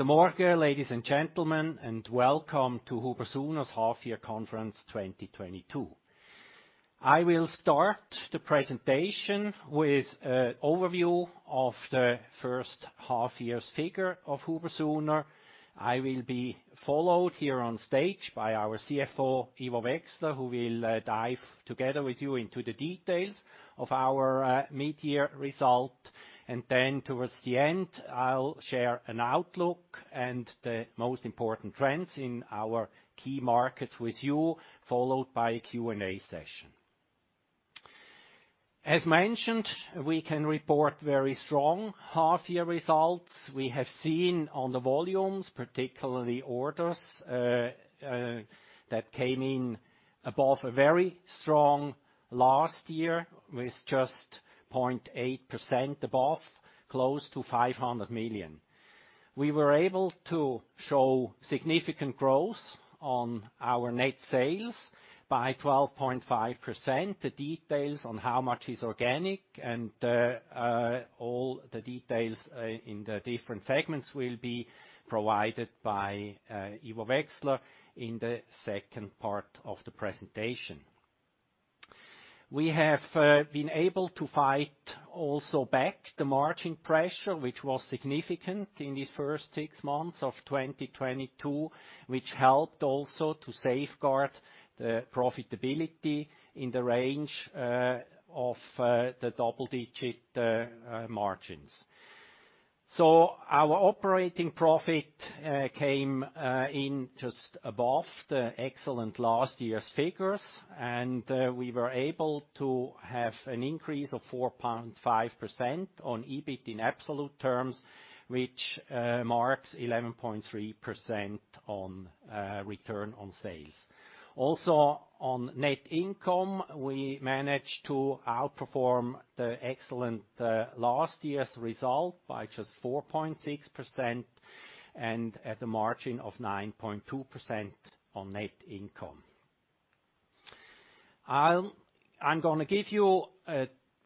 Good morning, ladies and gentlemen, and welcome to HUBER+SUHNER's Half-Year Conference 2022. I will start the presentation with an overview of the first half-year's figure of HUBER+SUHNER. I will be followed here on stage by our CFO, Ivo Wechsler, who will dive together with you into the details of our mid-year result. Towards the end, I'll share an outlook and the most important trends in our key markets with you, followed by a Q&A session. As mentioned, we can report very strong half-year results. We have seen on the volumes, particularly orders, that came in above a very strong last year, with just 0.8% above, close to 500 million. We were able to show significant growth on our net sales by 12.5%. The details on how much is organic and all the details in the different segments will be provided by Ivo Wechsler in the second part of the presentation. We have been able to fight also back the margin pressure, which was significant in the first six months of 2022, which helped also to safeguard the profitability in the range of the double-digit margins. Our operating profit came in just above the excellent last year's figures, and we were able to have an increase of 4.5% on EBIT in absolute terms, which marks 11.3% on return on sales. Also, on net income, we managed to outperform the excellent last year's result by just 4.6% and at the margin of 9.2% on net income. I'm gonna give you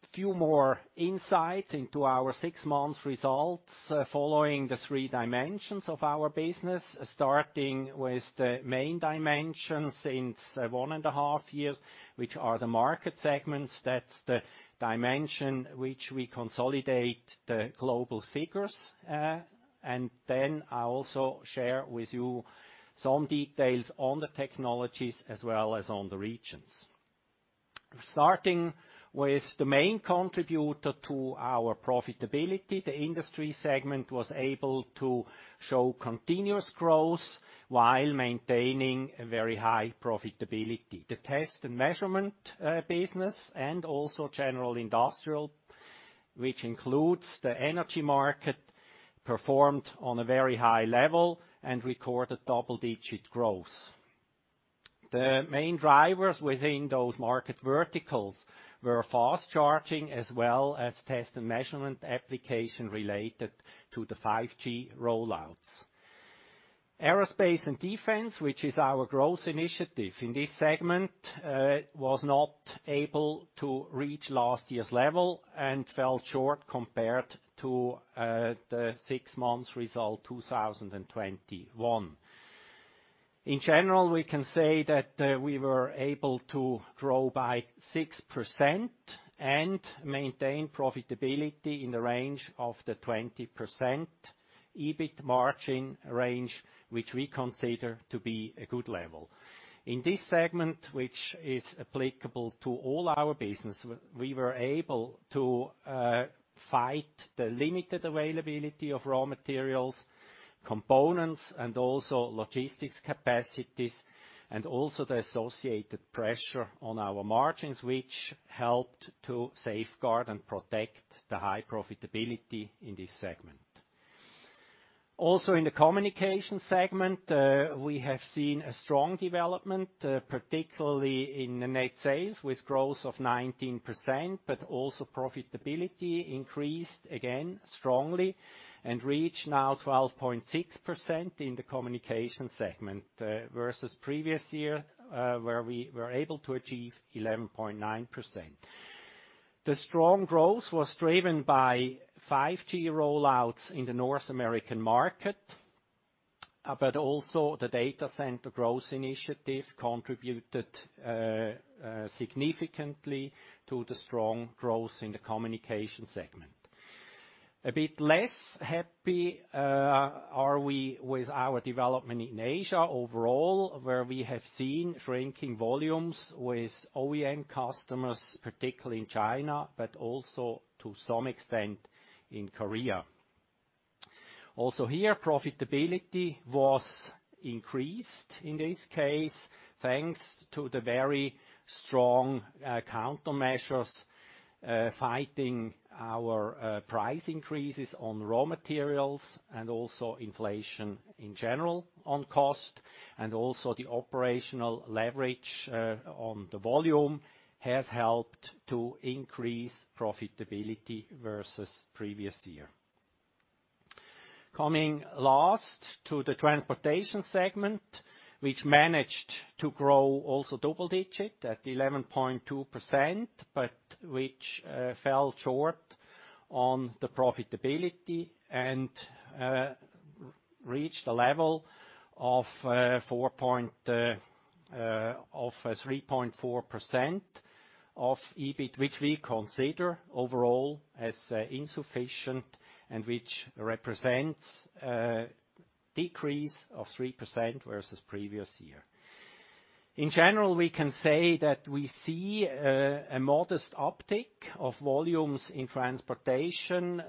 a few more insight into our six-month results following the three dimensions of our business, starting with the main dimensions since one and a half years, which are the market segments. That's the dimension which we consolidate the global figures, and then I also share with you some details on the technologies as well as on the regions. Starting with the main contributor to our profitability, the industry segment was able to show continuous growth while maintaining a very high profitability. The test and measurement business and also general industrial, which includes the energy market, performed on a very high level and recorded double-digit growth. The main drivers within those market verticals were fast charging as well as test and measurement application related to the 5G rollouts. Aerospace and Defense, which is our growth initiative in this segment, was not able to reach last year's level and fell short compared to the six months result 2021. In general, we can say that we were able to grow by 6% and maintain profitability in the range of the 20% EBIT margin range, which we consider to be a good level. In this segment, which is applicable to all our business, we were able to fight the limited availability of raw materials, components, and also logistics capacities, and also the associated pressure on our margins, which helped to safeguard and protect the high profitability in this segment. Also in the communication segment, we have seen a strong development, particularly in the net sales with growth of 19%, but also profitability increased again strongly and reached now 12.6% in the communication segment, versus previous year, where we were able to achieve 11.9%. The strong growth was driven by 5G rollouts in the North American market, but also the data center growth initiative contributed significantly to the strong growth in the communication segment. A bit less happy are we with our development in Asia overall, where we have seen shrinking volumes with OEM customers, particularly in China, but also to some extent in Korea. Here, profitability was increased in this case, thanks to the very strong countermeasures fighting our price increases on raw materials and also inflation in general on cost, and also the operational leverage on the volume has helped to increase profitability versus previous year. Coming last to the transportation segment, which managed to grow also double-digit at 11.2%, but which fell short on the profitability and reached a level of 3.4% of EBIT, which we consider overall as insufficient and which represents a decrease of 3% versus previous year. In general, we can say that we see a modest uptick of volumes in transportation,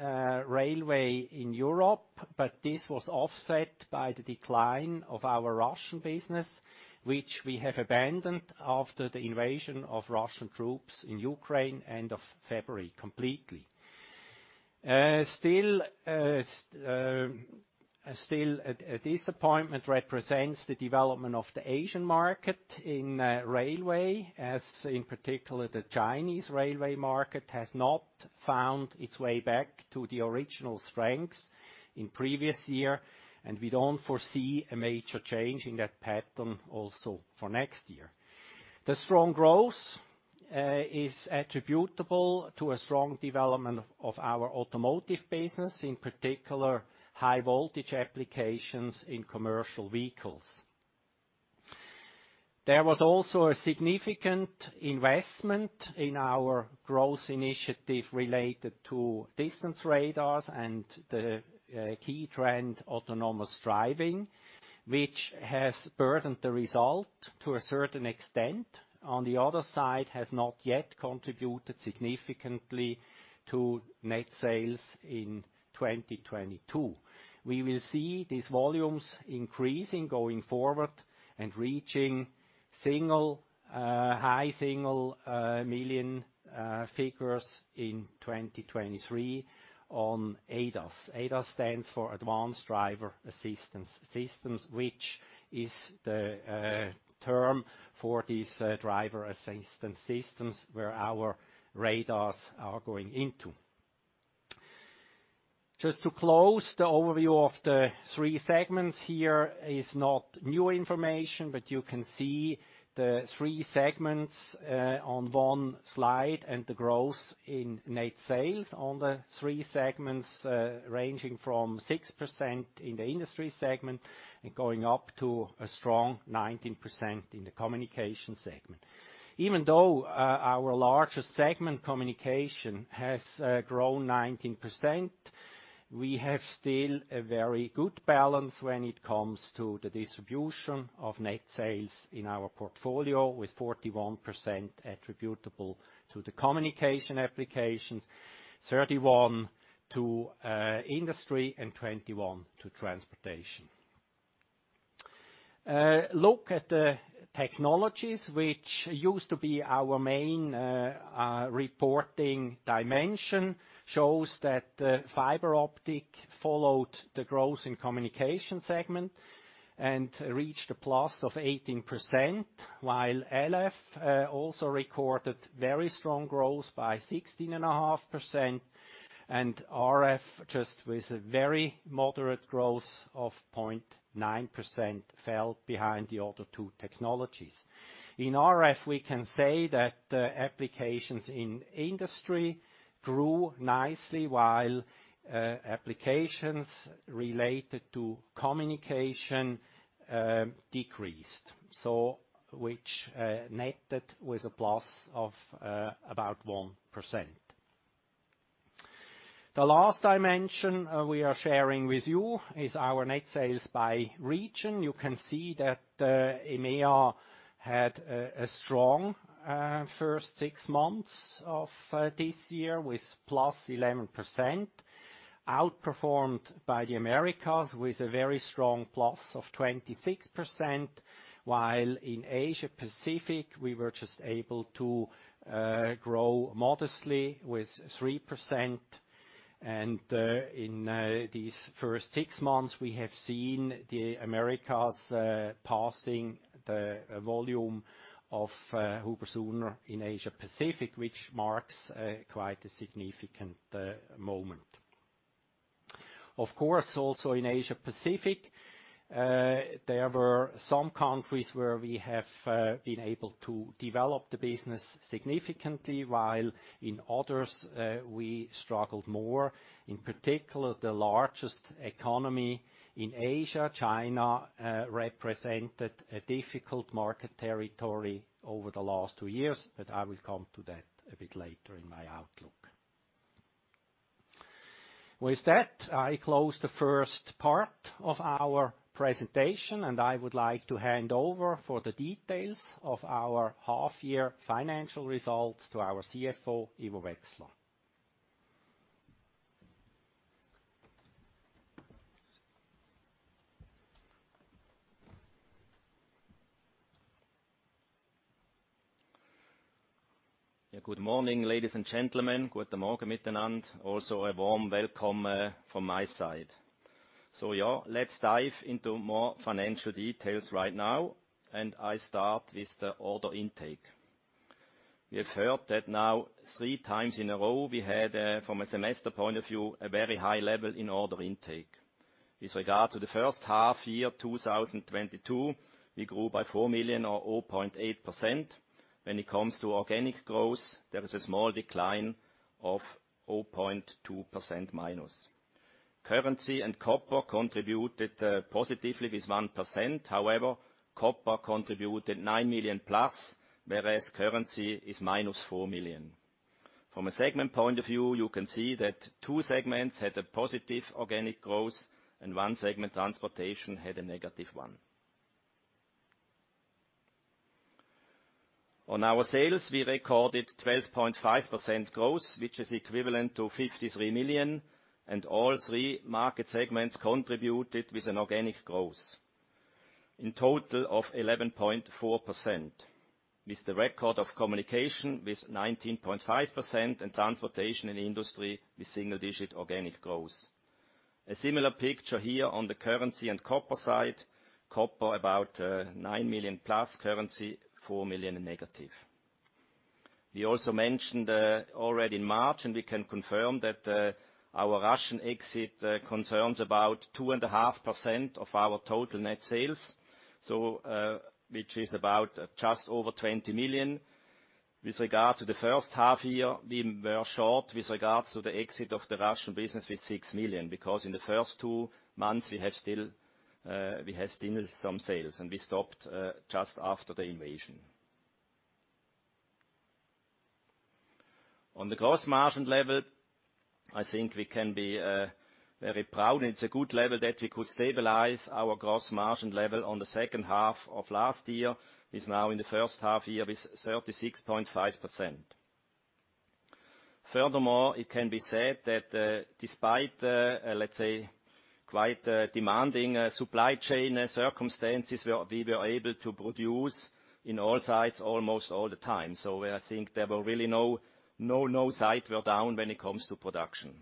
railway in Europe, but this was offset by the decline of our Russian business, which we have abandoned after the invasion of Russian troops in Ukraine end of February completely. Still a disappointment represents the development of the Asian market in railway, as in particular, the Chinese railway market has not found its way back to the original strengths in previous year, and we don't foresee a major change in that pattern also for next year. The strong growth is attributable to a strong development of our automotive business, in particular high voltage applications in commercial vehicles. There was also a significant investment in our growth initiative related to distance radars and the key trend, autonomous driving, which has burdened the result to a certain extent, on the other side, has not yet contributed significantly to net sales in 2022. We will see these volumes increasing going forward and reaching high single million figures in 2023 on ADAS. ADAS stands for Advanced Driver Assistance Systems, which is the term for these driver assistance systems where our radars are going into. Just to close the overview of the three segments here is not new information, but you can see the three segments on one slide and the growth in net sales on the three segments ranging from 6% in the industry segment and going up to a strong 19% in the Communication segment. Even though our largest segment Communication has grown 19%, we have still a very good balance when it comes to the distribution of net sales in our portfolio, with 41% attributable to the communication applications, 31% to Industry, and 21% to Transportation. Look at the technologies which used to be our main reporting dimension shows that the fiber optic followed the growth in Communication segment and reached a +18%, while LF also recorded very strong growth by 16.5%, and RF just with a very moderate growth of 0.9% fell behind the other two technologies. In RF, we can say that applications in Industry grew nicely while applications related to Communication decreased, so which netted with a plus of about +1%. The last dimension we are sharing with you is our net sales by region. You can see that EMEA had a strong first six months of this year with +11%, outperformed by the Americas with a very strong +26%, while in Asia Pacific, we were just able to grow modestly with +3%. In these first six months, we have seen the Americas passing the volume of HUBER+SUHNER in Asia Pacific, which marks quite a significant moment. Of course, also in Asia Pacific, there were some countries where we have been able to develop the business significantly, while in others, we struggled more. In particular, the largest economy in Asia, China, represented a difficult market territory over the last two years, but I will come to that a bit later in my outlook. With that, I close the first part of our presentation, and I would like to hand over for the details of our half year financial results to our CFO, Ivo Wechsler. Yeah, good morning, ladies and gentlemen. Also a warm welcome from my side. Yeah, let's dive into more financial details right now, and I start with the order intake. We have heard that now three times in a row, we had from a semester point of view a very high level in order intake. With regard to the first half year, 2022, we grew by 4 million, or 0.8%. When it comes to organic growth, there is a small decline of -0.2%. Currency and copper contributed positively with 1%. However, copper contributed +9 million, whereas currency is -4 million. From a segment point of view, you can see that two segments had a positive organic growth and one segment, Transportation, had a negative one. On our sales, we recorded 12.5% growth, which is equivalent to 53 million, and all three market segments contributed with an organic growth. In total of 11.4%, with the record in Communication with 19.5% and Transportation and Industrial with single digit organic growth. A similar picture here on the currency and copper side. Copper about 9 million-plus, currency 4 million-. We also mentioned already in March, and we can confirm that our Russian exit concerns about 2.5% of our total net sales, so which is about just over 20 million. With regard to the first half year, we were short with regards to the exit of the Russian business with 6 million, because in the first two months, we have still some sales, and we stopped just after the invasion. On the gross margin level, I think we can be very proud. It's a good level that we could stabilize our gross margin level on the second half of last year is now in the first half year with 36.5%. Furthermore, it can be said that, despite, let's say, quite, demanding, supply chain circumstances, we were able to produce in all sites almost all the time. I think there were really no site were down when it comes to production.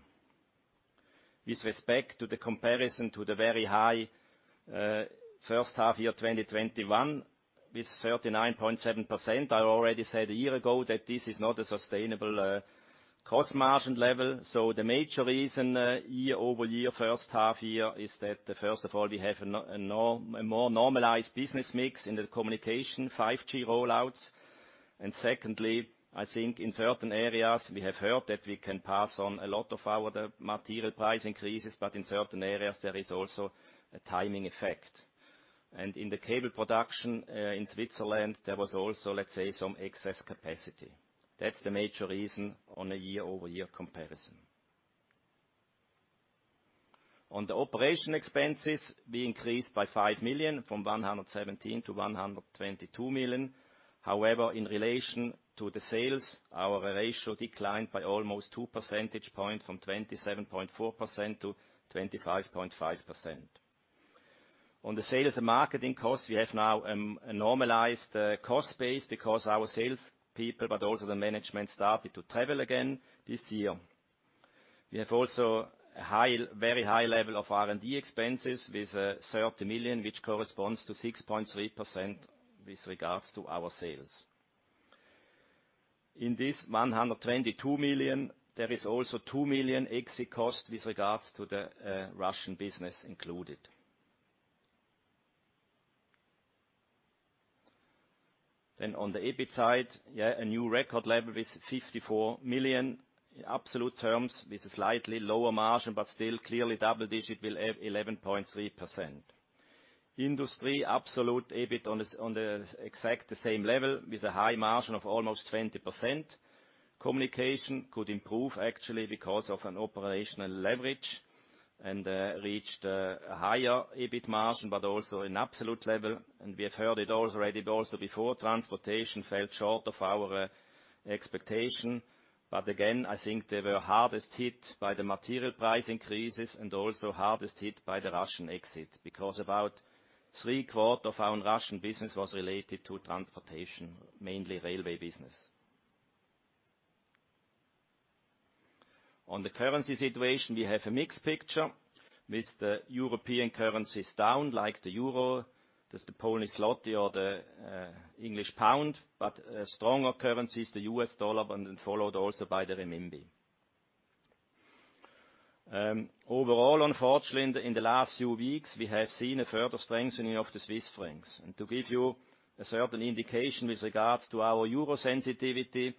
With respect to the comparison to the very high first half year 2021 with 39.7%, I already said a year ago that this is not a sustainable gross margin level. The major reason year-over-year first half year is that, first of all, we have a more normalized business mix in the communication 5G rollouts. And secondly, I think in certain areas, we have heard that we can pass on a lot of our material price increases, but in certain areas, there is also a timing effect. And in the cable production in Switzerland, there was also, let's say, some excess capacity. That's the major reason on a year-over-year comparison. On the operating expenses, we increased by 5 million from 117 million to 122 million. However, in relation to the sales, our ratio declined by almost two percentage points from 27.4% to 25.5%. On the sales and marketing costs, we have now a normalized cost base because our sales people, but also the management, started to travel again this year. We have also a high, very high level of R&D expenses with 30 million, which corresponds to 6.3% with regards to our sales. In this 122 million, there is also 2 million exit costs with regards to the Russian business included. Then on the EBIT side, yeah, a new record level with 54 million in absolute terms with a slightly lower margin, but still clearly double digit with 11.3%. Adjusted absolute EBIT on the exact same level with a high margin of almost 20%. Communication could improve actually because of an operational leverage and reached a higher EBIT margin, but also in absolute level. We have heard it already also before transportation fell short of our expectation. Again, I think they were hardest hit by the material price increases and also hardest hit by the Russian exit, because about three-quarters of our Russian business was related to transportation, mainly railway business. On the currency situation, we have a mixed picture with the European currencies down, like the euro, that's the Polish zloty or the English pound. Stronger currencies, the U.S. Dollar, and then followed also by the renminbi. Overall, unfortunately, in the last few weeks, we have seen a further strengthening of the Swiss francs. To give you a certain indication with regards to our euro sensitivity,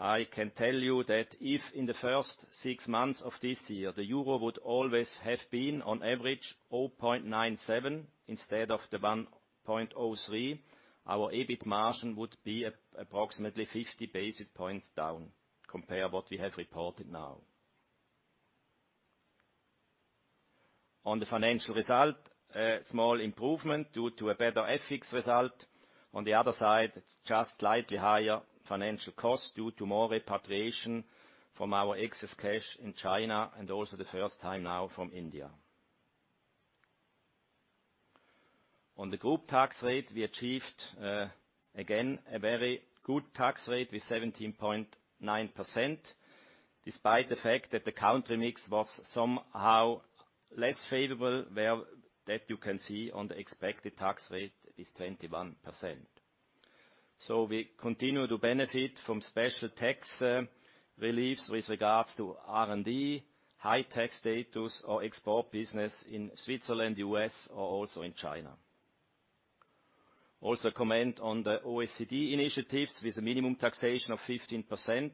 I can tell you that if in the first six months of this year, the euro would always have been on average 0.97 instead of the 1.03, our EBIT margin would be approximately 50 basis points down compared to what we have reported now. On the financial result, a small improvement due to a better FX result. On the other side, it's just slightly higher financial costs due to more repatriation from our excess cash in China and also the first time now from India. On the group tax rate, we achieved again a very good tax rate with 17.9%. Despite the fact that the country mix was somehow less favorable, which you can see, the expected tax rate is 21%. We continue to benefit from special tax reliefs with regards to R&D, high-tech status or export business in Switzerland, U.S. or also in China. Also comment on the OECD initiatives with a minimum taxation of 15%.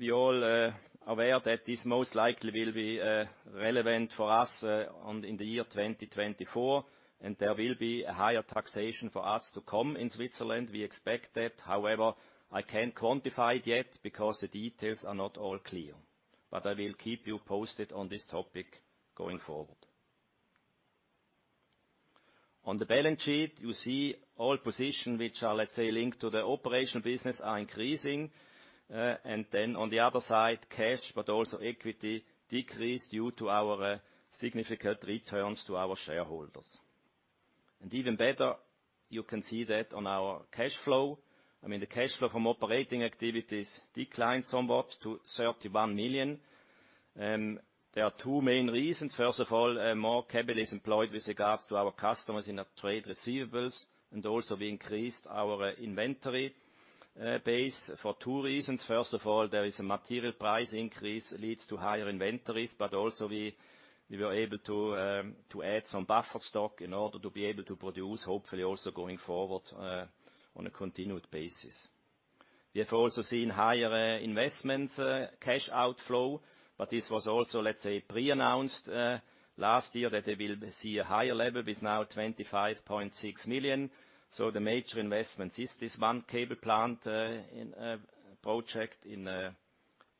We're all aware that this most likely will be relevant for us in the year 2024, and there will be a higher taxation for us to come in Switzerland. We expect that. However, I can't quantify it yet because the details are not all clear. I will keep you posted on this topic going forward. On the balance sheet, you see all positions which are, let's say, linked to the operational business are increasing. And then on the other side, cash, but also equity decreases due to our significant returns to our shareholders. Even better, you can see that on our cash flow. I mean, the cash flow from operating activities declined somewhat to 31 million. There are two main reasons. First of all, more capital is employed with regards to our customers in our trade receivables, and also we increased our inventory base for two reasons. First of all, there is a material price increase leads to higher inventories, but also we were able to add some buffer stock in order to be able to produce, hopefully also going forward, on a continued basis. We have also seen higher investments, cash outflow, but this was also, let's say, pre-announced last year that they will see a higher level with now 25.6 million. The major investment is this one cable plant in a project in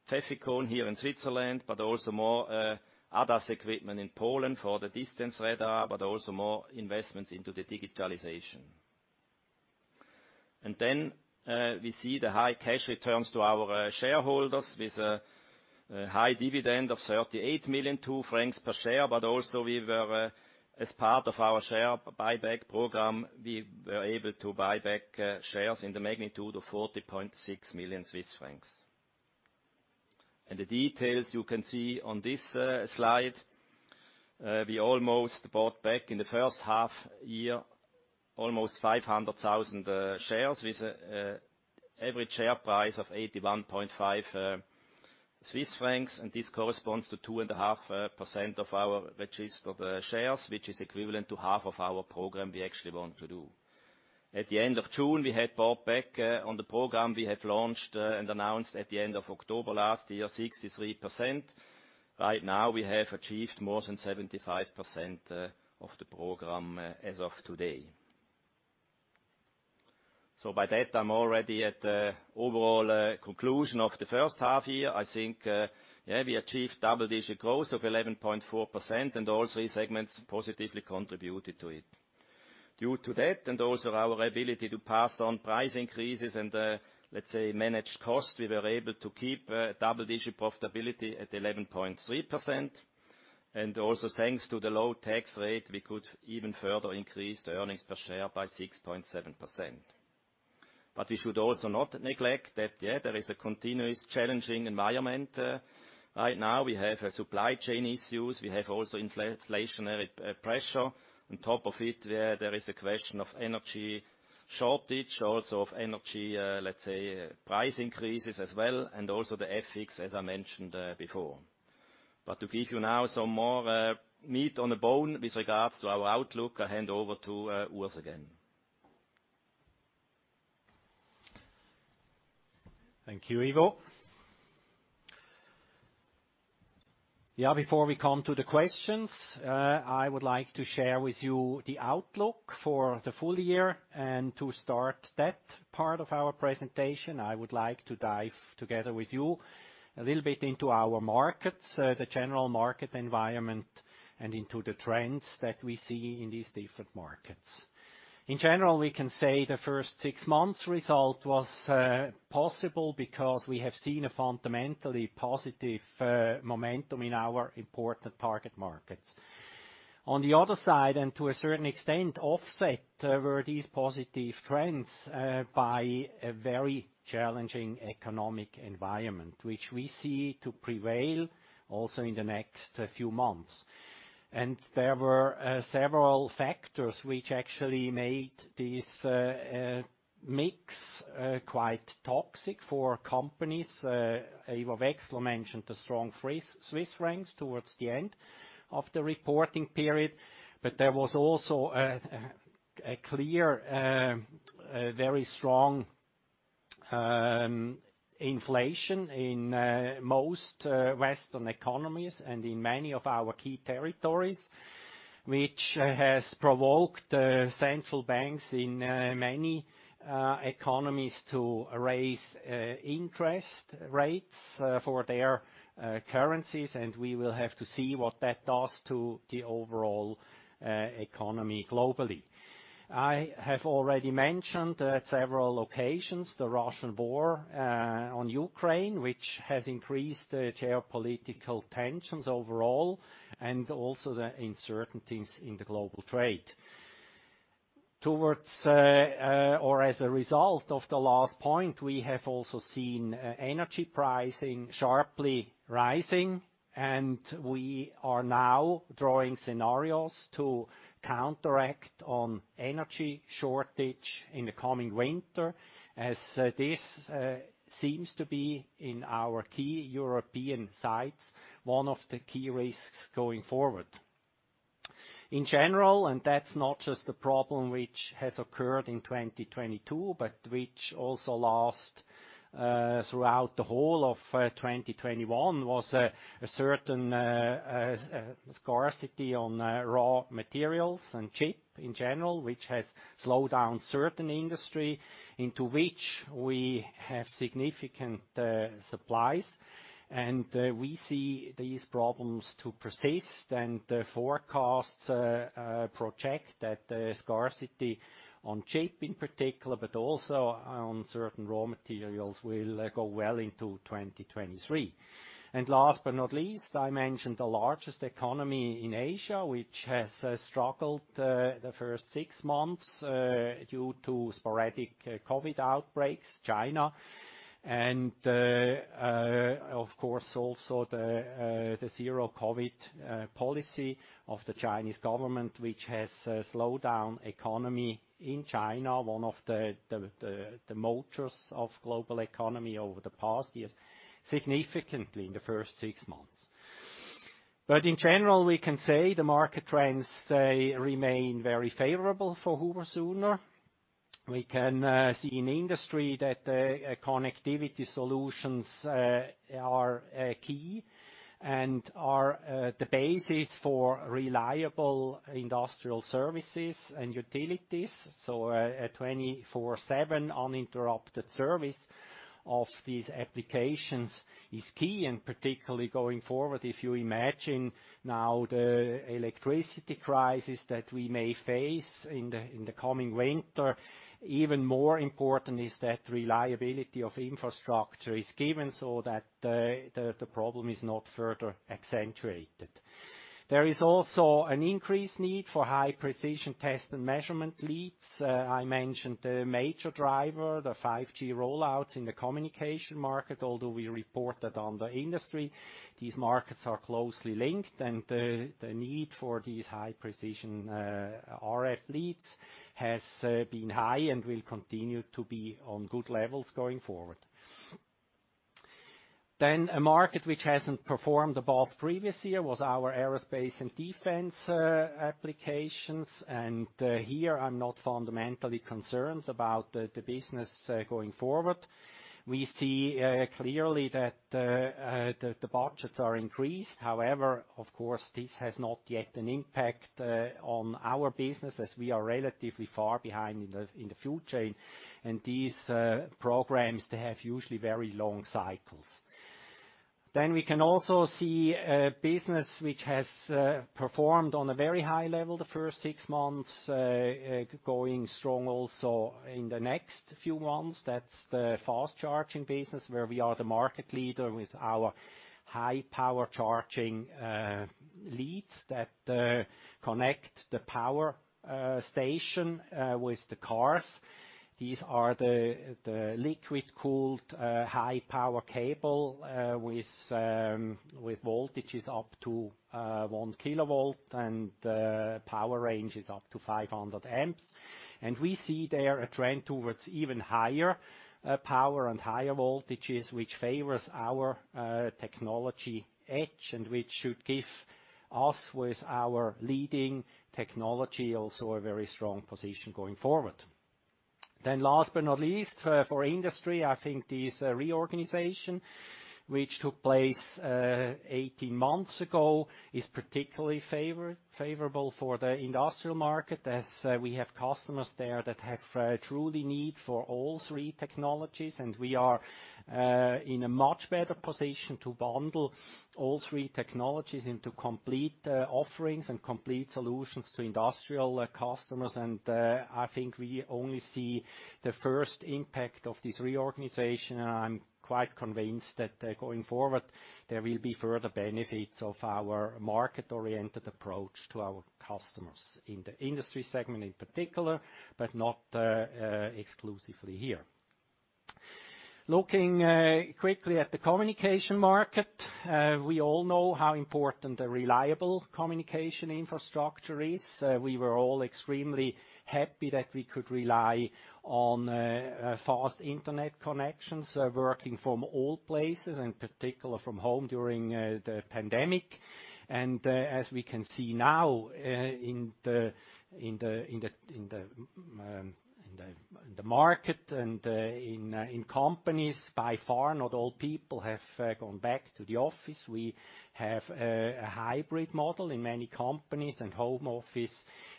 Pfäffikon here in Switzerland, but also more ADAS equipment in Poland for the long-range radar, but also more investments into the digitalization. We see the high cash returns to our shareholders with a high dividend of 38.2 million per share, but also, as part of our share buyback program, we were able to buy back shares in the magnitude of 40.6 million Swiss francs. The details you can see on this slide. We almost bought back in the first half year, almost 500,000 shares with average share price of 81.5 Swiss francs, and this corresponds to 2.5% of our registered shares, which is equivalent to half of our program we actually want to do. At the end of June, we had bought back on the program we have launched and announced at the end of October last year, 63%. Right now, we have achieved more than 75% of the program as of today. By that, I'm already at overall conclusion of the first half year. I think, yeah, we achieved double-digit growth of 11.4%, and all three segments positively contributed to it. Due to that, and also our ability to pass on price increases and, let's say, managed cost, we were able to keep double-digit profitability at 11.3%. Also thanks to the low tax rate, we could even further increase the earnings per share by 6.7%. We should also not neglect that, yeah, there is a continuous challenging environment right now. We have supply chain issues. We have also inflationary pressure. On top of it, there is a question of energy shortage, also of energy, let's say, price increases as well, and also the FX, as I mentioned, before. To give you now some more meat on the bone with regards to our outlook, I hand over to Urs again. Thank you, Ivo. Yeah, before we come to the questions, I would like to share with you the outlook for the full year. To start that part of our presentation, I would like to dive together with you a little bit into our markets, the general market environment and into the trends that we see in these different markets. In general, we can say the first six months result was possible because we have seen a fundamentally positive momentum in our important target markets. On the other side, and to a certain extent, offset were these positive trends by a very challenging economic environment, which we see to prevail also in the next few months. There were several factors which actually made this mix quite toxic for companies. Ivo Wechsler mentioned the strong Swiss francs towards the end of the reporting period, but there was also a clear, very strong inflation in most Western economies and in many of our key territories, which has provoked central banks in many economies to raise interest rates for their currencies, and we will have to see what that does to the overall economy globally. I have already mentioned at several occasions the Russian war on Ukraine, which has increased the geopolitical tensions overall and also the uncertainties in the global trade. As a result of the last point, we have also seen energy pricing sharply rising, and we are now drawing scenarios to counteract on energy shortage in the coming winter. This seems to be in our key European sites, one of the key risks going forward. In general, that's not just the problem which has occurred in 2022, but which also lasted throughout the whole of 2021, was a certain scarcity of raw materials and chips in general, which has slowed down certain industries into which we have significant supplies. We see these problems to persist, and the forecasts project that scarcity of chips in particular, but also of certain raw materials will go well into 2023. Last but not least, I mentioned the largest economy in Asia, which has struggled in the first six months due to sporadic COVID outbreaks, China. Of course, also the zero-COVID policy of the Chinese government, which has slowed down economy in China, one of the motors of global economy over the past years, significantly in the first six months. In general, we can say the market trends, they remain very favorable for HUBER+SUHNER. We can see in industry that connectivity solutions are the basis for reliable industrial services and utilities. A 24/7 uninterrupted service of these applications is key, and particularly going forward, if you imagine now the electricity crisis that we may face in the coming winter. Even more important is that reliability of infrastructure is given so that the problem is not further accentuated. There is also an increased need for high precision test and measurement leads. I mentioned the major driver, the 5G rollouts in the communication market. Although we report that on the industry, these markets are closely linked and the need for these high precision RF leads has been high and will continue to be on good levels going forward. A market which hasn't performed above previous year was our aerospace and defense applications. Here I'm not fundamentally concerned about the business going forward. We see clearly that the budgets are increased. However, of course, this has not yet an impact on our business as we are relatively far behind in the food chain. These programs, they have usually very long cycles. We can also see a business which has performed on a very high level the first six months, going strong also in the next few months. That's the fast charging business, where we are the market leader with our High Power Charging leads that connect the power station with the cars. These are the liquid-cooled high power cable with voltages up to 1 kV and power range is up to 500 A. We see there a trend towards even higher power and higher voltages, which favors our technology edge and which should give us, with our leading technology, also a very strong position going forward. Last but not least, for industry, I think this reorganization, which took place 18 months ago, is particularly favorable for the industrial market, as we have customers there that have true need for all three technologies, and we are in a much better position to bundle all three technologies into complete offerings and complete solutions to industrial customers. I think we only see the first impact of this reorganization. I'm quite convinced that, going forward, there will be further benefits of our market-oriented approach to our customers in the industry segment in particular, but not exclusively here. Looking quickly at the communication market, we all know how important a reliable communication infrastructure is. We were all extremely happy that we could rely on fast internet connections, working from all places, in particular from home during the pandemic. As we can see now, in the market and in companies, by far, not all people have gone back to the office. We have a hybrid model in many companies, and home office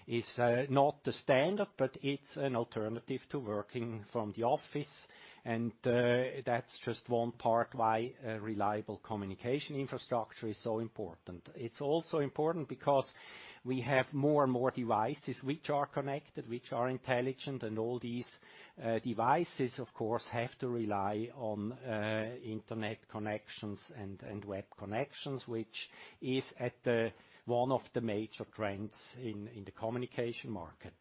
is not the standard, but it's an alternative to working from the office. That's just one part why a reliable communication infrastructure is so important. It's also important because we have more and more devices which are connected, which are intelligent, and all these devices, of course, have to rely on internet connections and web connections, which is at the heart of it. One of the major trends in the communication market.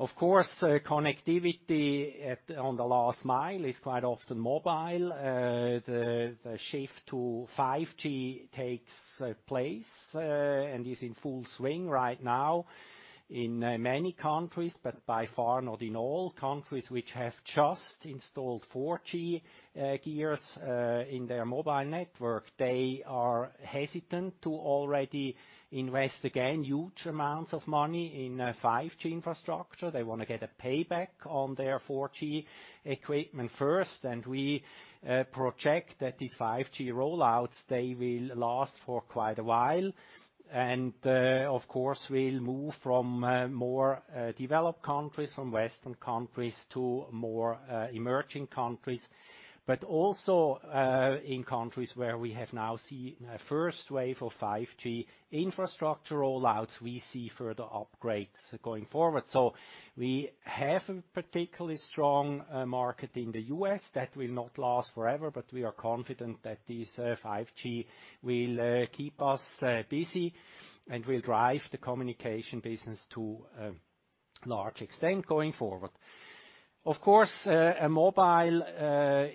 Of course, connectivity on the last mile is quite often mobile. The shift to 5G takes place and is in full swing right now in many countries, but by far not in all countries which have just installed 4G gears in their mobile network. They are hesitant to already invest again huge amounts of money in 5G infrastructure. They wanna get a payback on their 4G equipment first. We project that the 5G roll-outs they will last for quite a while. Of course, we'll move from more developed countries, from Western countries to more emerging countries. Also, in countries where we have now seen a first wave of 5G infrastructure roll-outs, we see further upgrades going forward. We have a particularly strong market in the U.S. That will not last forever, but we are confident that these 5G will keep us busy and will drive the communication business to a large extent going forward. Of course, a mobile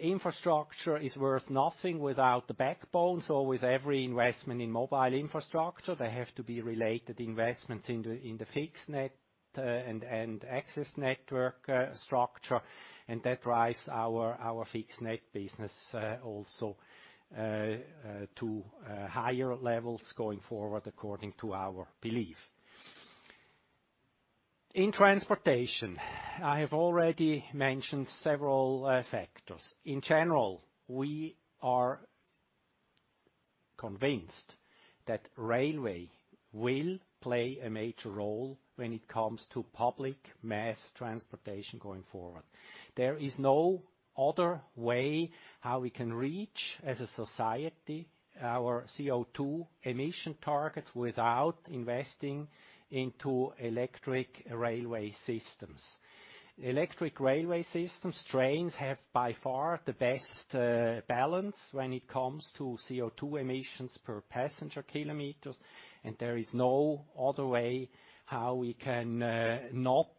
infrastructure is worth nothing without the backbone. With every investment in mobile infrastructure, there have to be related investments in the fixed net and access network structure. That drives our fixed net business also to higher levels going forward according to our belief. In transportation, I have already mentioned several factors. In general, we are convinced that railway will play a major role when it comes to public mass transportation going forward. There is no other way how we can reach, as a society, our CO2 emission targets without investing into electric railway systems. Electric railway systems, trains, have by far the best balance when it comes to CO2 emissions per passenger kilometers, and there is no other way how we can not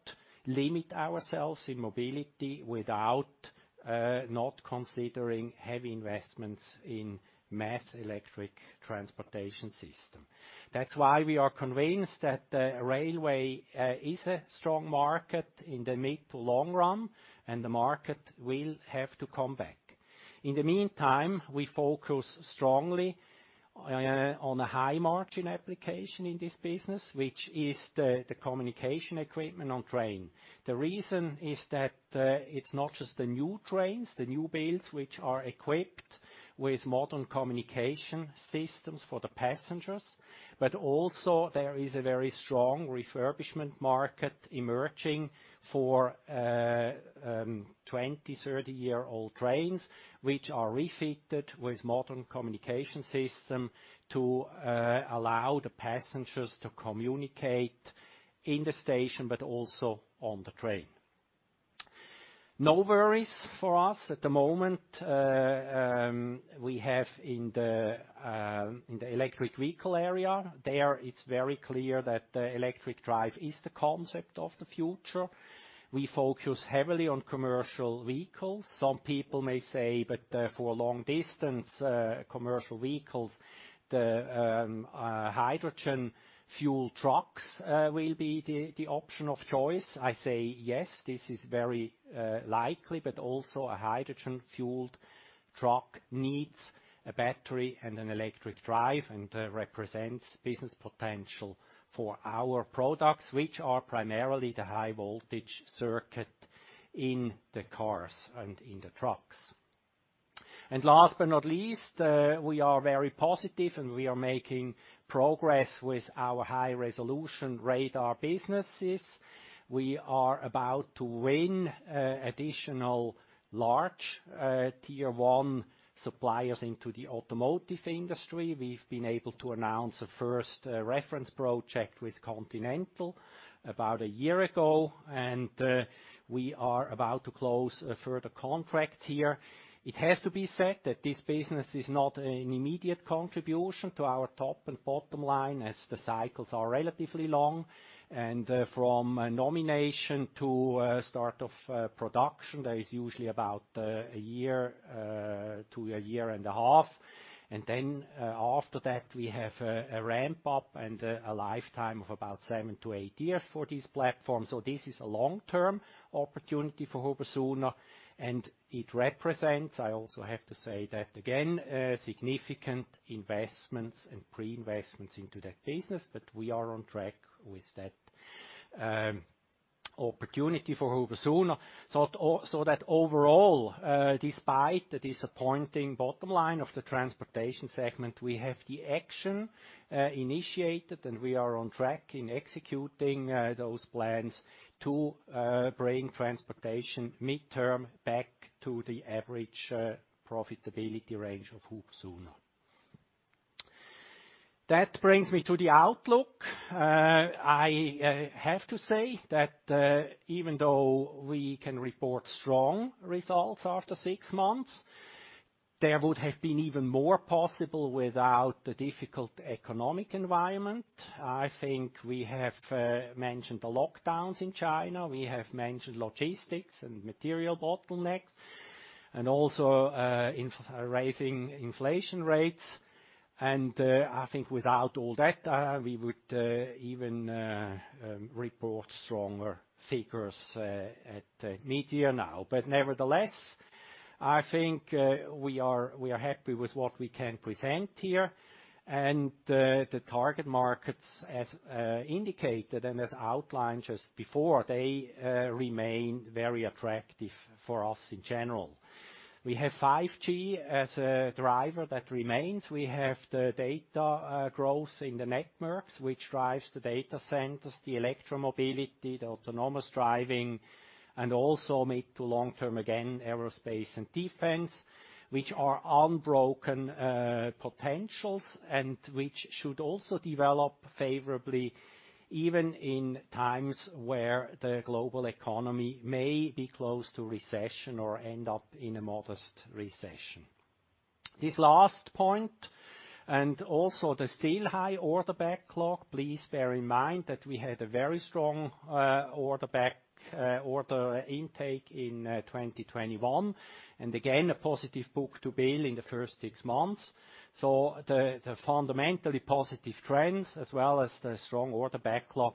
limit ourselves in mobility without not considering heavy investments in mass electric transportation system. That's why we are convinced that the railway is a strong market in the mid to long run, and the market will have to come back. In the meantime, we focus strongly on a high margin application in this business, which is the communication equipment on train. The reason is that, it's not just the new trains, the new builds, which are equipped with modern communication systems for the passengers, but also there is a very strong refurbishment market emerging for 20-year, 30-year-old trains which are refitted with modern communication system to allow the passengers to communicate in the station, but also on the train. No worries for us at the moment, we have in the electric vehicle area. There, it's very clear that the electric drive is the concept of the future. We focus heavily on commercial vehicles. Some people may say, "But for long distance commercial vehicles, the hydrogen fuel trucks will be the option of choice." I say, yes, this is very likely, but also a hydrogen-fueled truck needs a battery and an electric drive, and represents business potential for our products, which are primarily the high voltage circuit in the cars and in the trucks. Last but not least, we are very positive, and we are making progress with our high-resolution radar businesses. We are about to win additional large tier one suppliers into the automotive industry. We've been able to announce a first reference project with Continental about a year ago, and we are about to close a further contract here. It has to be said that this business is not an immediate contribution to our top and bottom line, as the cycles are relatively long. From a nomination to start of production, there is usually about a year to a year and a half. After that, we have a ramp up and a lifetime of about seven to eight years for this platform. This is a long-term opportunity for HUBER+SUHNER, and it represents, I also have to say that again, significant investments and pre-investments into that business. We are on track with that opportunity for HUBER+SUHNER. that overall, despite the disappointing bottom line of the transportation segment, we have the action initiated, and we are on track in executing those plans to bring transportation midterm back to the average profitability range of HUBER+SUHNER. That brings me to the outlook. I have to say that even though we can report strong results after six months, there would have been even more possible without the difficult economic environment. I think we have mentioned the lockdowns in China. We have mentioned logistics and material bottlenecks and also rising inflation rates. I think without all that we would even report stronger figures at mid-year now. Nevertheless, I think we are happy with what we can present here. The target markets as indicated and as outlined just before, they remain very attractive for us in general. We have 5G as a driver that remains. We have the data growth in the networks, which drives the data centers, the electromobility, the autonomous driving, and also mid- to long-term, again, aerospace and defense, which are unbroken potentials and which should also develop favorably even in times where the global economy may be close to recession or end up in a modest recession. This last point and also the still high order backlog, please bear in mind that we had a very strong order intake in 2021, and again, a positive book-to-bill in the first six months. Fundamentally positive trends as well as the strong order backlog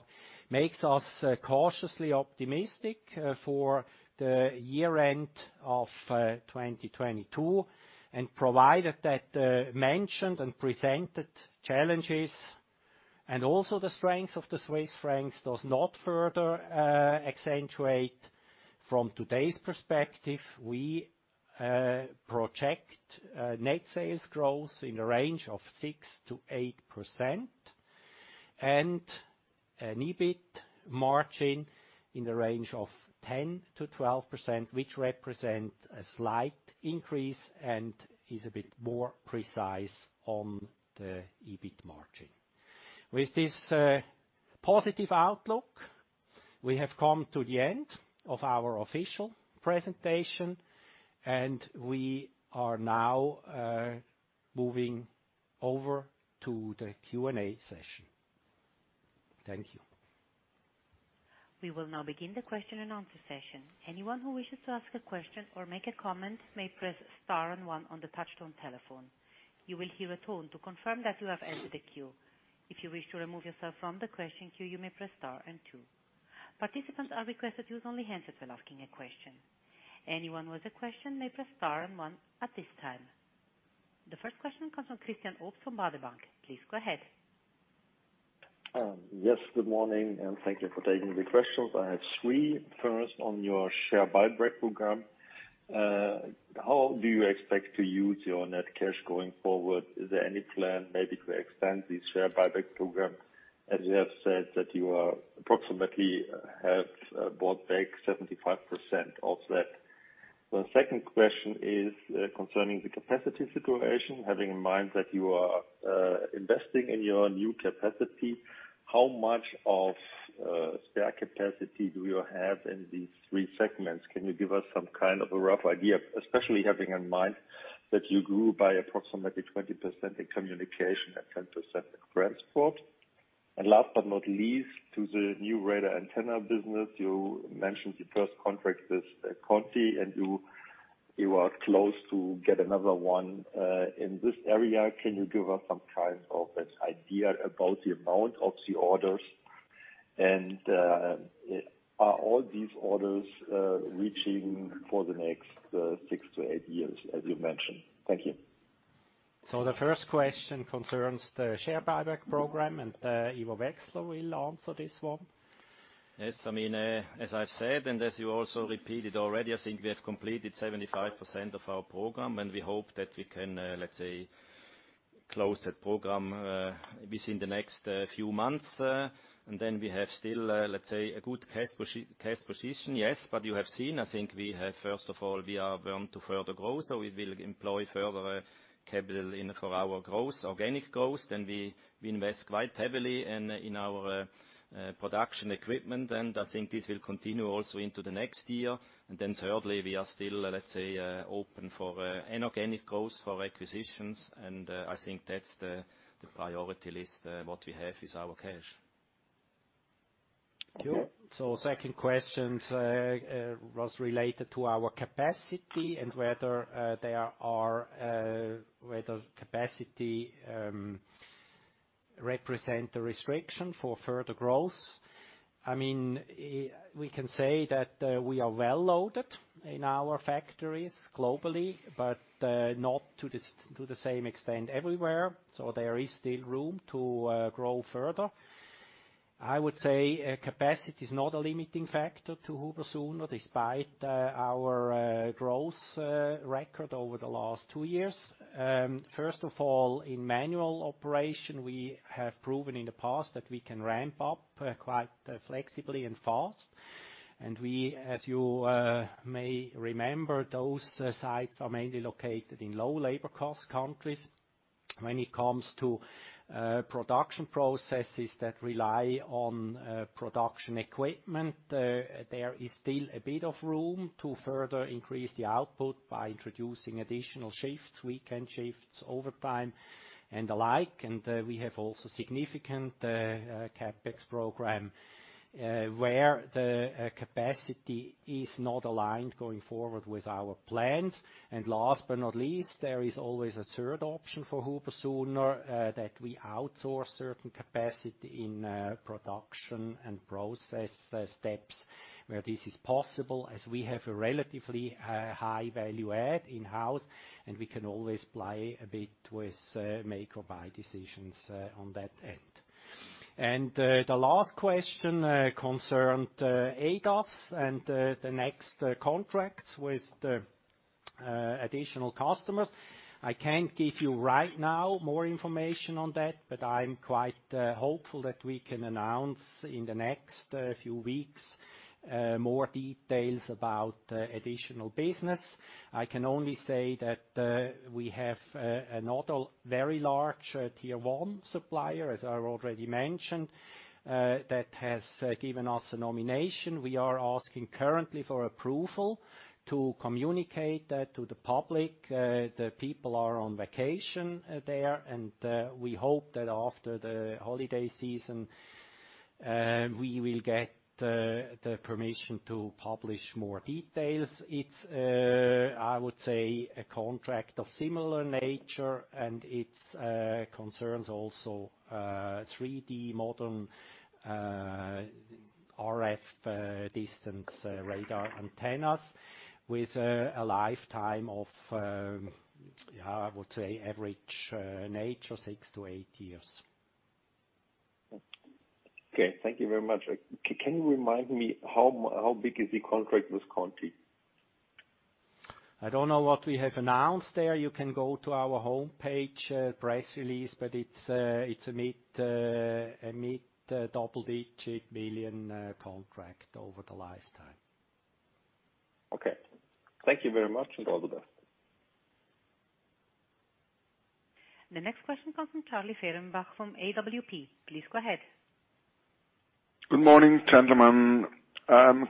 makes us cautiously optimistic for the year-end of 2022. Provided that the mentioned and presented challenges and also the strength of the Swiss francs does not further accentuate from today's perspective, we project net sales growth in the range of 6%-8%, and an EBIT margin in the range of 10%-12%, which represent a slight increase and is a bit more precise on the EBIT margin. With this positive outlook, we have come to the end of our official presentation, and we are now moving over to the Q&A session. Thank you. We will now begin the question and answer session. Anyone who wishes to ask a question or make a comment may press star and one on the touchtone telephone. You will hear a tone to confirm that you have entered the queue. If you wish to remove yourself from the question queue, you may press star and two. Participants are requested to use only handset when asking a question. Anyone with a question may press star and one at this time. The first question comes from Christian Obst from Baader Bank. Please go ahead. Yes, good morning, and thank you for taking the questions. I have three. First, on your share buyback program, how do you expect to use your net cash going forward? Is there any plan maybe to extend the share buyback program, as you have said that you have approximately bought back 75% of that? The second question is concerning the capacity situation. Having in mind that you are investing in your new capacity, how much of spare capacity do you have in these three segments? Can you give us some kind of a rough idea, especially having in mind that you grew by approximately 20% in communication and 10% in transport? Last but not least, to the new radar antenna business, you mentioned the first contract with Continental, and you are close to get another one in this area. Can you give us some kind of an idea about the amount of the orders? Are all these orders reaching for the next six to eight years as you mentioned? Thank you. The first question concerns the share buyback program, and Ivo Wechsler will answer this one. Yes. I mean, as I've said, and as you also repeated already, I think we have completed 75% of our program, and we hope that we can, let's say, close that program within the next few months, and then we have still, let's say, a good cash position. Yes, but you have seen, I think we have first of all, we are bound to further grow. We will employ further capital in for our growth, organic growth. We invest quite heavily in our production equipment, and I think this will continue also into the next year. Thirdly, we are still, let's say, open for inorganic growth for acquisitions. I think that's the priority list what we have with our cash. Thank you. Second question was related to our capacity and whether capacity represents a restriction for further growth. I mean, we can say that we are well loaded in our factories globally, but not to the same extent everywhere. There is still room to grow further. I would say capacity is not a limiting factor to HUBER+SUHNER, despite our growth record over the last two years. First of all, in manual operation, we have proven in the past that we can ramp up quite flexibly and fast. We, as you may remember, those sites are mainly located in low labor cost countries. When it comes to production processes that rely on production equipment, there is still a bit of room to further increase the output by introducing additional shifts, weekend shifts, overtime, and the like. We have also significant CapEx program, where the capacity is not aligned going forward with our plans. Last but not least, there is always a third option for HUBER+SUHNER, that we outsource certain capacity in production and process steps where this is possible, as we have a relatively high value add in-house, and we can always play a bit with make or buy decisions on that end. The last question concerned ADAS and the next contracts with the additional customers. I can't give you right now more information on that, but I'm quite hopeful that we can announce in the next few weeks more details about additional business. I can only say that we have another very large tier one supplier, as I already mentioned, that has given us a nomination. We are asking currently for approval to communicate that to the public. The people are on vacation there, and we hope that after the holiday season we will get the permission to publish more details. It's a contract of similar nature, and it concerns also 3D modern RF long-range radar antennas with a lifetime of average nature six to eight years. Okay, thank you very much. Can you remind me how big is the contract with Continental? I don't know what we have announced there. You can go to our homepage, press release, but it's a mid-double-digit million contract over the lifetime. Okay. Thank you very much, and all the best. The next question comes from Charlie Fehrenbach from AWP. Please go ahead. Good morning, gentlemen.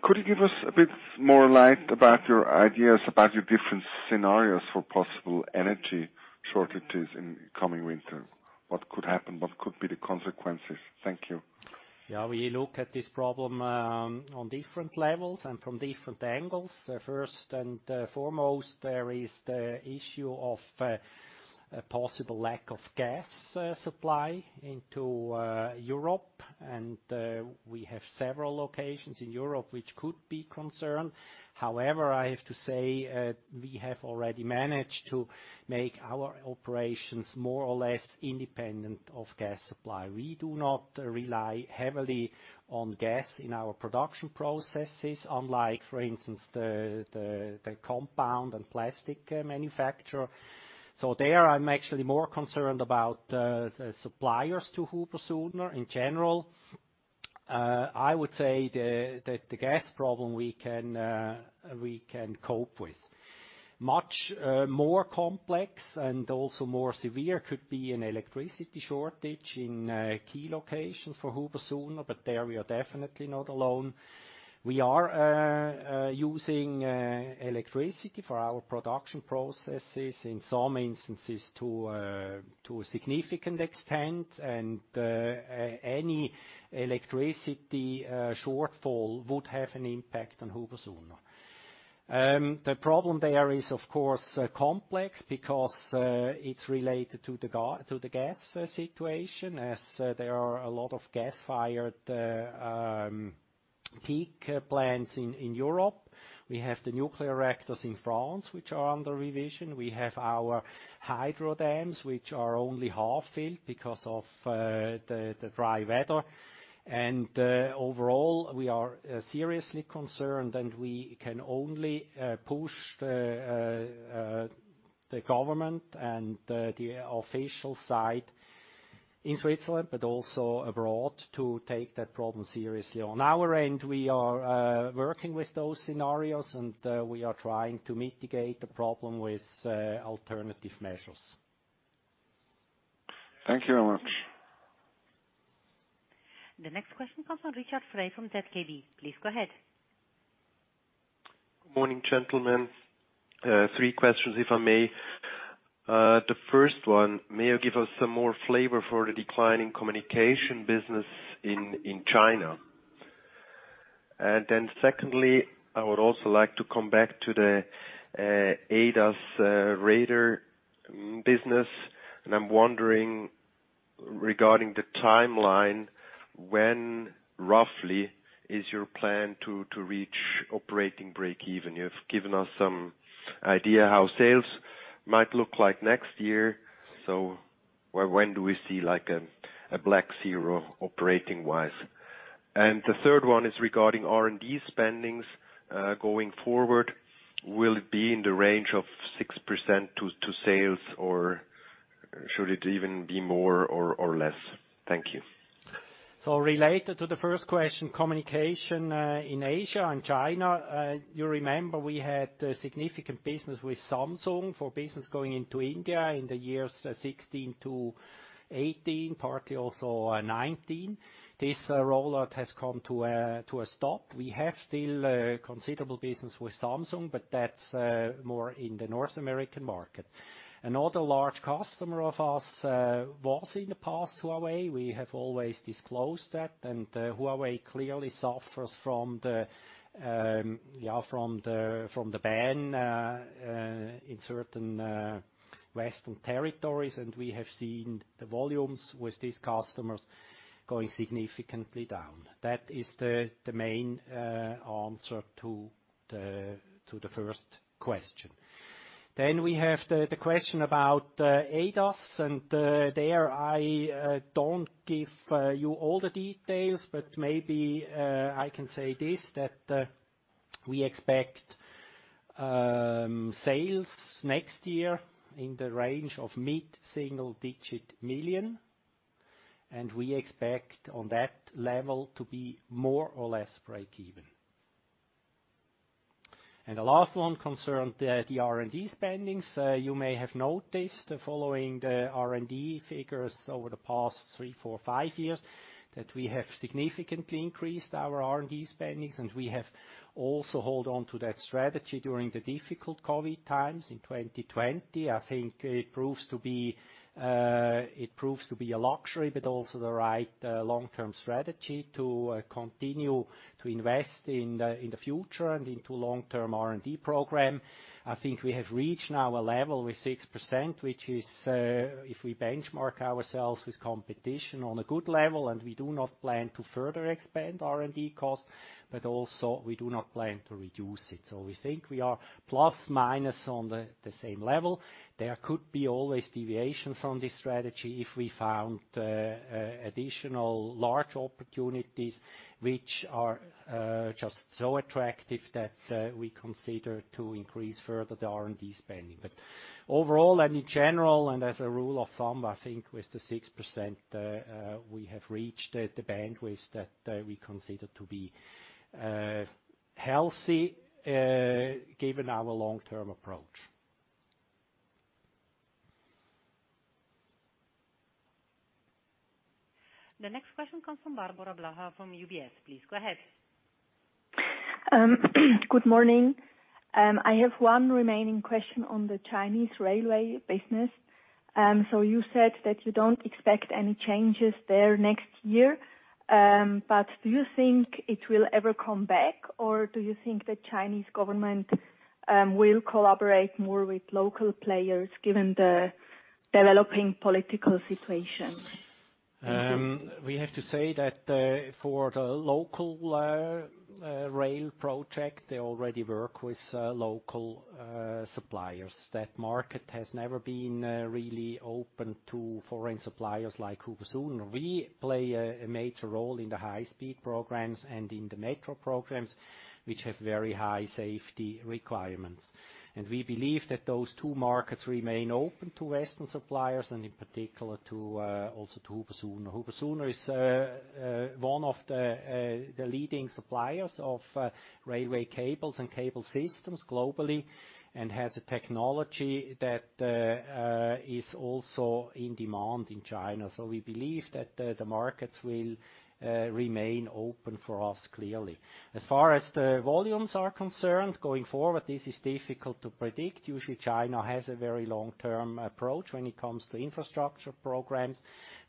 Could you give us a bit more light about your ideas, about your different scenarios for possible energy shortages in coming winter? What could happen? What could be the consequences? Thank you. Yeah, we look at this problem on different levels and from different angles. First and foremost, there is the issue of a possible lack of gas supply into Europe. We have several locations in Europe which could be concerned. However, I have to say, we have already managed to make our operations more or less independent of gas supply. We do not rely heavily on gas in our production processes, unlike, for instance, the compound and plastic manufacturer. There, I'm actually more concerned about the suppliers to HUBER+SUHNER in general. I would say the gas problem we can cope with. Much more complex and also more severe could be an electricity shortage in key locations for HUBER+SUHNER, but there we are definitely not alone. We are using electricity for our production processes, in some instances, to a significant extent. Any electricity shortfall would have an impact on HUBER+SUHNER. The problem there is, of course, complex because it's related to the gas situation as there are a lot of gas-fired peak plants in Europe. We have the nuclear reactors in France which are under revision. We have our hydro dams, which are only half-filled because of the dry weather. Overall, we are seriously concerned, and we can only push the government and the official side in Switzerland, but also abroad, to take that problem seriously. On our end, we are working with those scenarios, and we are trying to mitigate the problem with alternative measures. Thank you very much. The next question comes from Richard Frei from ZKB. Please go ahead. Morning, gentlemen. Three questions, if I may. The first one, may you give us some more flavor for the decline in communication business in China? Secondly, I would also like to come back to the ADAS radar business, and I'm wondering regarding the timeline, when roughly is your plan to reach operating break even? You've given us some idea how sales might look like next year. When do we see like a black zero operating wise? The third one is regarding R&D spendings going forward. Will it be in the range of 6% to sales, or should it even be more or less? Thank you. Related to the first question, communication in Asia and China, you remember we had significant business with Samsung for business going into India in the years 2016-2018, partly also 2019. This rollout has come to a stop. We have still considerable business with Samsung, but that's more in the North American market. Another large customer of ours was in the past Huawei. We have always disclosed that, and Huawei clearly suffers from the ban in certain western territories, and we have seen the volumes with these customers going significantly down. That is the main answer to the first question. We have the question about ADAS, and there I don't give you all the details, but maybe I can say this, that we expect sales next year in the range of mid-single-digit million, and we expect on that level to be more or less break even. The last one concerned the R&D spendings. You may have noticed following the R&D figures over the past three, four, five years that we have significantly increased our R&D spendings, and we have also hold on to that strategy during the difficult COVID times in 2020. I think it proves to be a luxury, but also the right long-term strategy to continue to invest in the future and into long-term R&D program. I think we have reached now a level with 6%, which is, if we benchmark ourselves with competition, on a good level, and we do not plan to further expand R&D costs, but also we do not plan to reduce it. We think we are plus-minus on the same level. There could be always deviations from this strategy if we found additional large opportunities which are just so attractive that we consider to increase further the R&D spending. Overall and in general and as a rule of thumb, I think with the 6%, we have reached the bandwidth that we consider to be healthy, given our long-term approach. The next question comes from Barbora Blaha from UBS. Please go ahead. Good morning. I have one remaining question on the Chinese railway business. You said that you don't expect any changes there next year. Do you think it will ever come back, or do you think the Chinese government will collaborate more with local players given the developing political situation? We have to say that, for the local rail project, they already work with local suppliers. That market has never been really open to foreign suppliers like HUBER+SUHNER. We play a major role in the high-speed programs and in the metro programs, which have very high safety requirements. We believe that those two markets remain open to western suppliers and in particular to also to HUBER+SUHNER. HUBER+SUHNER is one of the leading suppliers of railway cables and cable systems globally and has a technology that is also in demand in China. We believe that the markets will remain open for us, clearly. As far as the volumes are concerned going forward, this is difficult to predict. Usually, China has a very long-term approach when it comes to infrastructure programs.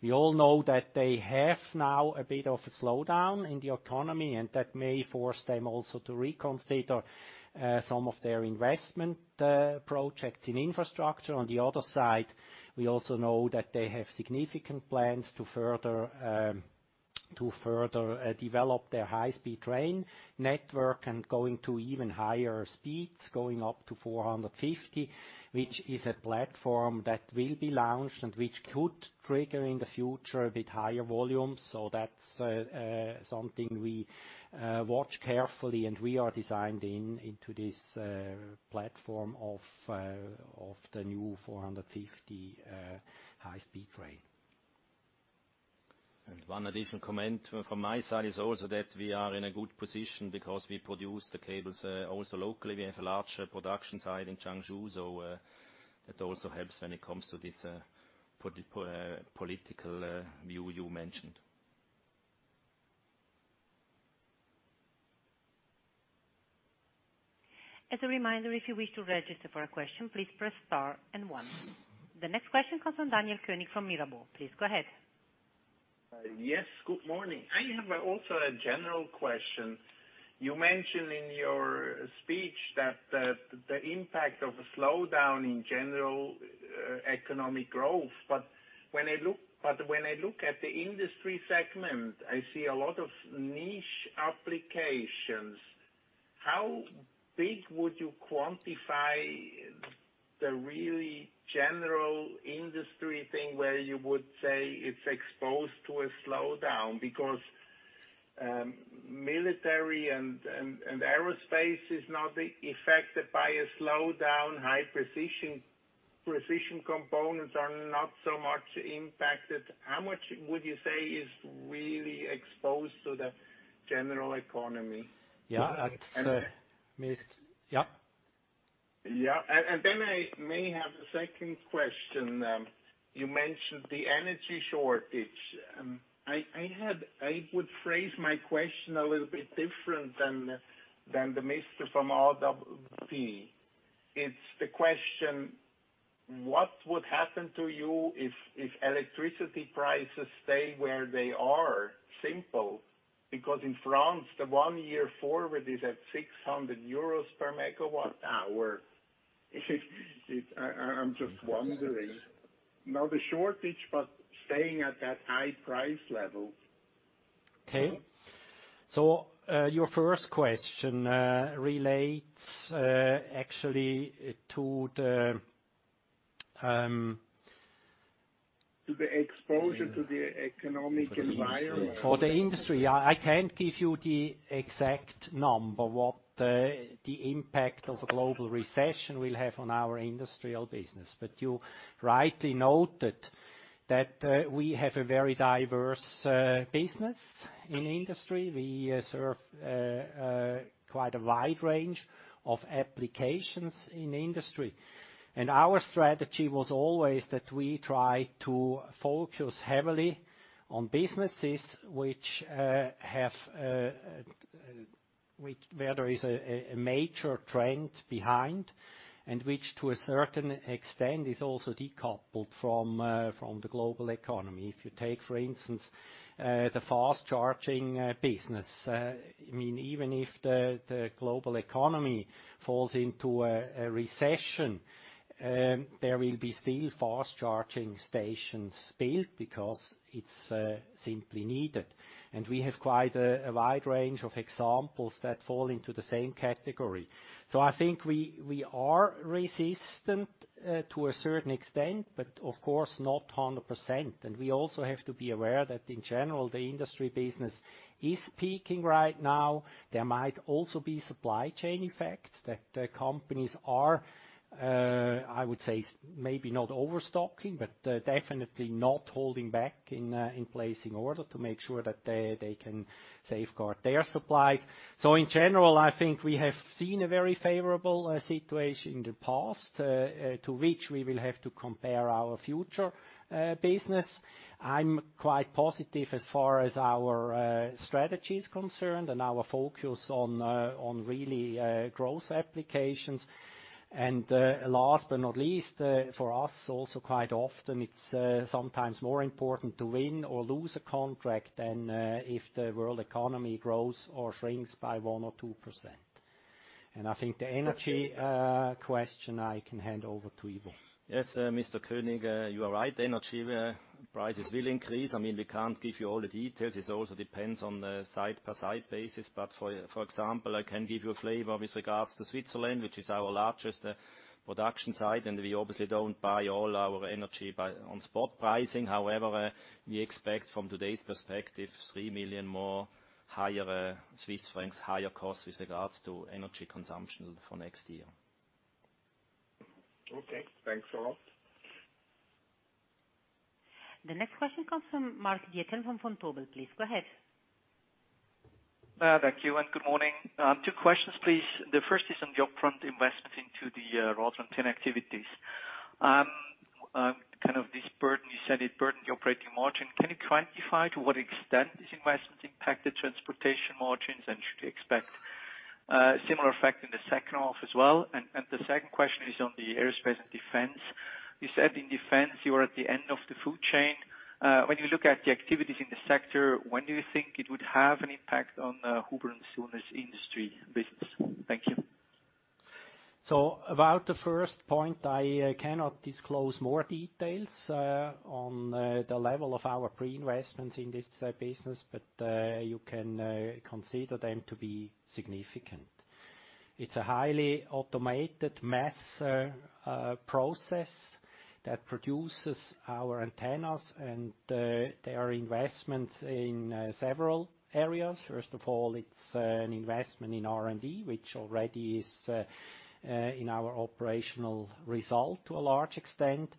We all know that they have now a bit of a slowdown in the economy, and that may force them also to reconsider some of their investment projects in infrastructure. On the other side, we also know that they have significant plans to further develop their high-speed train network and going to even higher speeds, going up to 450 km/h, which is a platform that will be launched and which could trigger in the future a bit higher volumes. That's something we watch carefully, and we are designed into this platform of the new 450 km/h high-speed train. One additional comment from my side is also that we are in a good position because we produce the cables also locally. We have a large production site in Changshu, so that also helps when it comes to this political view you mentioned. As a reminder, if you wish to register for a question, please press star and one. The next question comes from Daniel Koenig from Mirabaud. Please go ahead. Yes, good morning. I have also a general question. You mentioned in your speech that the impact of a slowdown in general economic growth, but when I look at the industry segment, I see a lot of niche applications. How big would you quantify the really general industry thing where you would say it's exposed to a slowdown? Military and aerospace is not affected by a slowdown. High precision components are not so much impacted. How much would you say is really exposed to the general economy? Yeah. It's missed. Yeah. Then I may have a second question. You mentioned the energy shortage. I would phrase my question a little bit different than the mister from AWP. It's the question, what would happen to you if electricity prices stay where they are? Simple, because in France, the one-year forward is at 600 euros per megawatt hour. I'm just wondering. Not the shortage, but staying at that high price level. Okay. Your first question relates actually to the To the exposure to the economic environment. For the industry. I can't give you the exact number, the impact of a global recession will have on our industrial business. You rightly noted that we have a very diverse business in industry. We serve quite a wide range of applications in industry. Our strategy was always that we try to focus heavily on businesses which where there is a major trend behind, and which to a certain extent is also decoupled from the global economy. If you take, for instance, the fast charging business. I mean, even if the global economy falls into a recession, there will be still fast charging stations built because it's simply needed. We have quite a wide range of examples that fall into the same category. I think we are resistant to a certain extent, but of course not 100%. We also have to be aware that in general, the industry business is peaking right now. There might also be supply chain effects that the companies are, I would say maybe not overstocking, but definitely not holding back in placing orders to make sure that they can safeguard their supplies. In general, I think we have seen a very favorable to which we will have to compare our future business. I'm quite positive as far as our strategy is concerned and our focus on really growth applications. Last but not least, for us also quite often, it's sometimes more important to win or lose a contract than if the world economy grows or shrinks by 1% or 2%. I think the energy question I can hand over to Ivo. Yes, Mr. Koenig, you are right. Energy prices will increase. I mean, we can't give you all the details. It also depends on the site per site basis. For example, I can give you a flavor with regards to Switzerland, which is our largest production site, and we obviously don't buy all our energy on spot pricing. However, we expect from today's perspective, 3 million higher costs with regards to energy consumption for next year. Okay, thanks a lot. The next question comes from Mark Diethelm from Vontobel. Please, go ahead. Thank you and good morning. Two questions, please. The first is on the upfront investment into the RADOX activities. Kind of this burden, you said it burdened your operating margin. Can you quantify to what extent these investments impact the transportation margins? Should we expect similar effect in the second half as well? The second question is on the aerospace and defense. You said in defense, you are at the end of the food chain. When you look at the activities in the sector, when do you think it would have an impact on HUBER+SUHNER's industrial business? Thank you. About the first point, I cannot disclose more details on the level of our pre-investments in this business. You can consider them to be significant. It's a highly automated mass process that produces our antennas, and there are investments in several areas. First of all, it's an investment in R&D, which already is in our operational result to a large extent.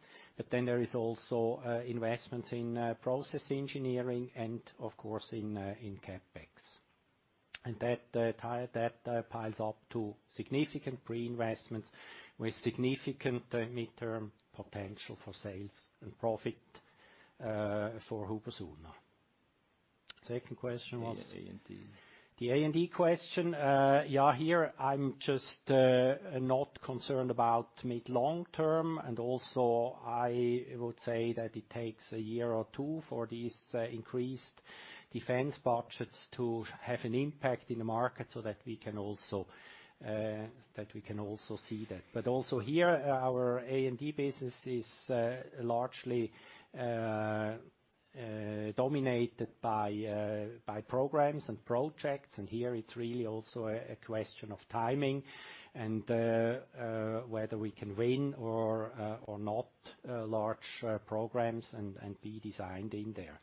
Then there is also investments in process engineering and of course in CapEx. That piles up to significant pre-investments with significant midterm potential for sales and profit for HUBER+SUHNER. Second question was? A&D. The A&D question. Yeah, here I'm just not concerned about mid, long term. I would say that it takes a year or two for these increased defense budgets to have an impact in the market so that we can also see that. Our A&D business is largely dominated by programs and projects. Here it's really also a question of timing and whether we can win or not large programs and be designed in there.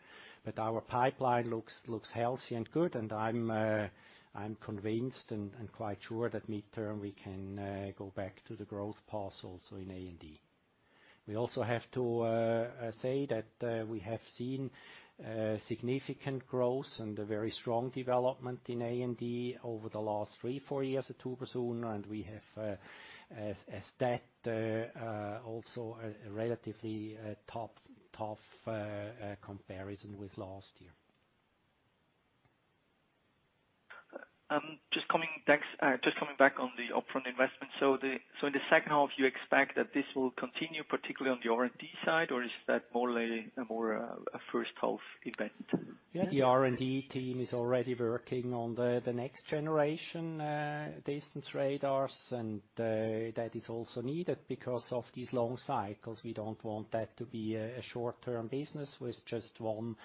Our pipeline looks healthy and good. I'm convinced and quite sure that midterm we can go back to the growth path also in A&D. We also have to say that we have seen significant growth and a very strong development in A&D over the last three, four years at HUBER+SUHNER. We have also a relatively tough comparison with last year. Just coming back on the upfront investment. In the second half, you expect that this will continue, particularly on the R&D side, or is that more like a first half event? Yeah. The R&D team is already working on the next generation distance radars, and that is also needed because of these long cycles. We don't want that to be a short-term business with just one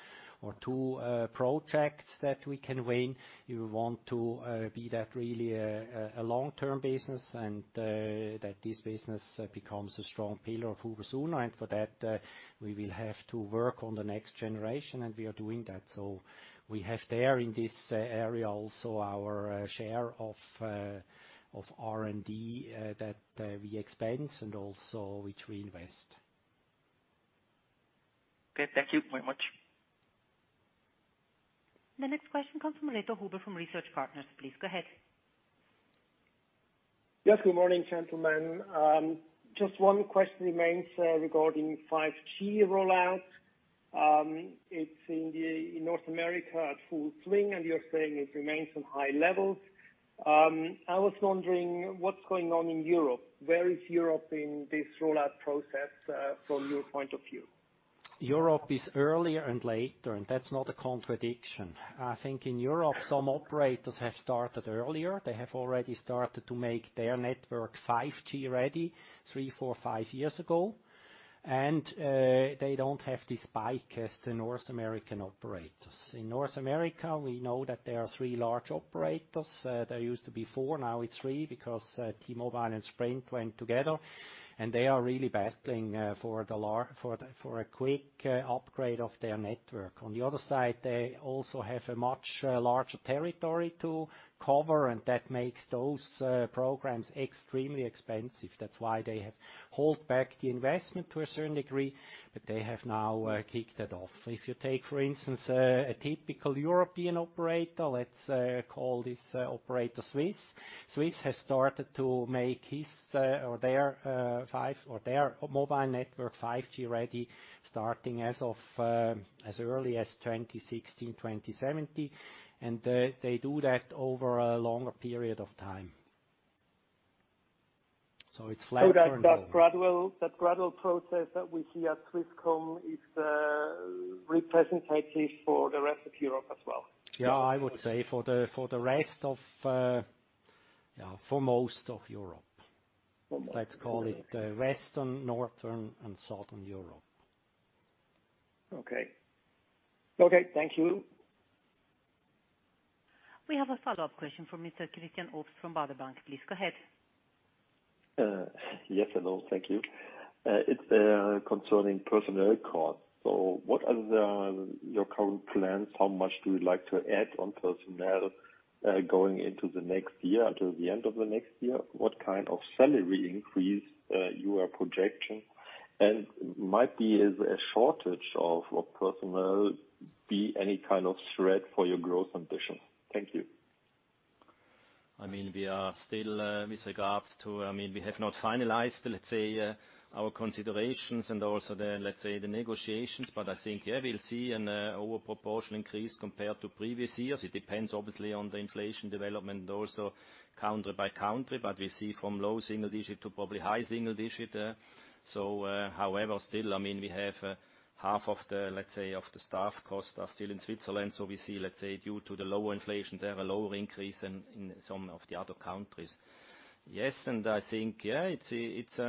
or two projects that we can win. We want to be that really a long-term business, and that this business becomes a strong pillar of HUBER+SUHNER. For that, we will have to work on the next generation, and we are doing that. We have there in this area also our share of R&D that we expense and also which we invest. Okay. Thank you very much. The next question comes from Reto Huber from Research Partners. Please go ahead. Yes. Good morning, gentlemen. Just one question remains, regarding 5G rollout. It's in North America at full swing, and you're saying it remains on high levels. I was wondering what's going on in Europe. Where is Europe in this rollout process, from your point of view? Europe is earlier and later, and that's not a contradiction. I think in Europe, some operators have started earlier. They have already started to make their network 5G ready three, four, five years ago, and they don't have this spike as the North American operators. In North America, we know that there are three large operators. There used to be four, now it's three because T-Mobile and Sprint went together, and they are really battling for a quick upgrade of their network. On the other side, they also have a much larger territory to cover, and that makes those programs extremely expensive. That's why they have held back the investment to a certain degree, but they have now kicked it off. If you take, for instance, a typical European operator, let's call this operator Swiss. Swisscom has started to make their mobile network 5G ready, starting as of as early as 2016, 2017, and they do that over a longer period of time. It's flat term- That gradual process that we see at Swisscom is representative for the rest of Europe as well? Yeah, I would say for most of Europe. For most. Let's call it western, northern, and southern Europe. Okay. Okay, thank you. We have a follow-up question from Mr. Christian Obst from Baader Bank. Please go ahead. Yes, hello. Thank you. It's concerning personnel costs. What are your current plans? How much do you like to add on personnel going into the next year, until the end of the next year? What kind of salary increase you are projecting? Might a shortage of personnel be any kind of threat for your growth ambition? Thank you. I mean, we are still with regards to, I mean, we have not finalized, let's say, our considerations and also the, let's say, the negotiations, but I think we'll see a disproportional increase compared to previous years. It depends obviously on the inflation development, also country by country, but we see from low single-digit to probably high single-digit%. However, still, I mean, we have half of the staff costs are still in Switzerland. So we see, let's say, due to the lower inflation, they have a lower increase than in some of the other countries. Yes. I think it's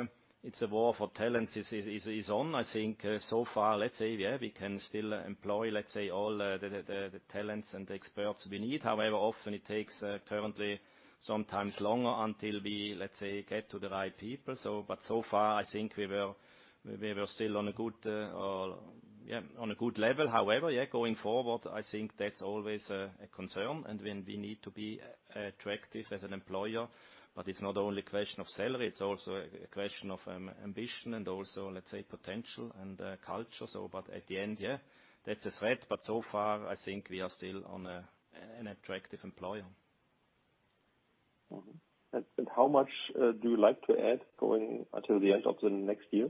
a war for talent is on. I think so far, let's say, we can still employ, let's say, all the talents and experts we need. However, often it takes currently sometimes longer until we, let's say, get to the right people. So far, I think we were still on a good level. However, going forward, I think that's always a concern and when we need to be attractive as an employer. It's not only a question of salary, it's also a question of ambition and also, let's say, potential and culture. At the end, that's a threat. So far, I think we are still an attractive employer. How much do you like to add going until the end of the next year?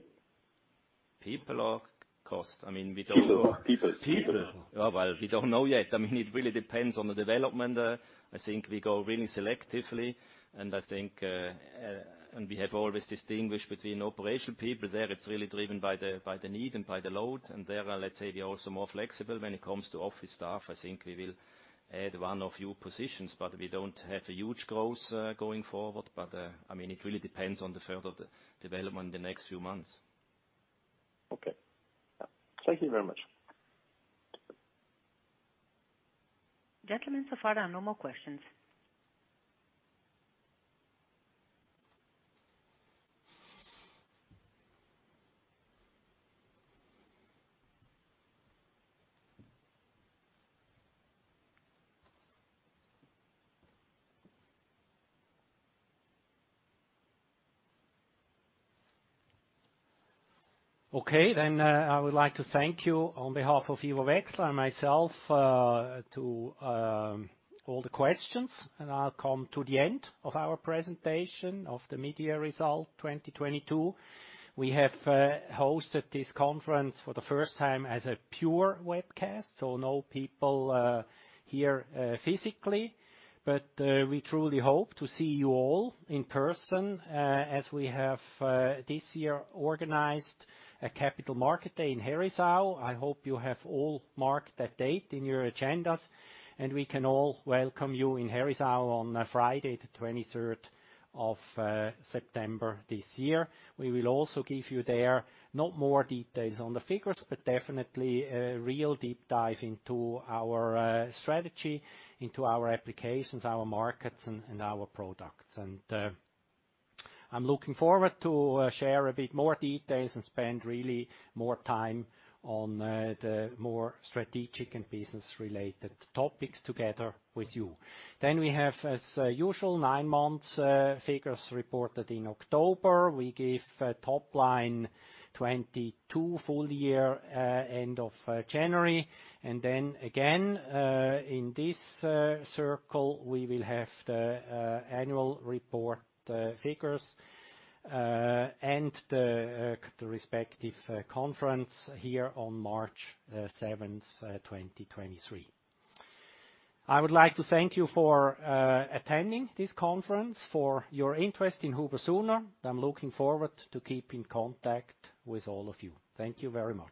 People or cost? I mean, we don't know. People. People. Yeah. Well, we don't know yet. I mean, it really depends on the development. I think we go really selectively, and we have always distinguished between operational people. There, it's really driven by the need and by the load. There, let's say, we're also more flexible. When it comes to office staff, I think we will add one or few positions, but we don't have a huge growth going forward. I mean, it really depends on the further development in the next few months. Okay. Thank you very much. Gentlemen, so far there are no more questions. Okay, I would like to thank you on behalf of Ivo Wechsler and myself for all the questions, and I'll come to the end of our presentation of the mid-year result 2022. We have hosted this conference for the first time as a pure webcast, so no people here physically. We truly hope to see you all in person, as we have this year organized a Capital Market Day in Herisau. I hope you have all marked that date in your agendas, and we can all welcome you in Herisau on Friday the 23rd of September this year. We will also give you there no more details on the figures, but definitely a real deep dive into our strategy, into our applications, our markets, and our products. I'm looking forward to share a bit more details and spend really more time on the more strategic and business-related topics together with you. We have, as usual, nine months figures reported in October. We give top line 2022 full year end of January. Then again in this circle we will have the annual report figures and the respective conference here on March seventh, 2023. I would like to thank you for attending this conference, for your interest in HUBER+SUHNER. I'm looking forward to keep in contact with all of you. Thank you very much.